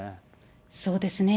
そうですね。